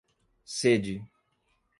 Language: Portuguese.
sede